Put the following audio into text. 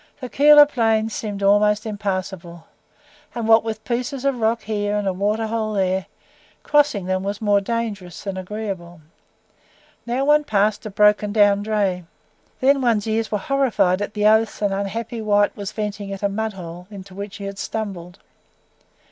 The Keilor plains seemed almost impassable, and what with pieces of rock here, and a water hole there, crossing them was more dangerous than agreeable. Now one passed a broken down dray; then one's ears were horrified at the oaths an unhappy wight was venting at a mud hole into which he had stumbled.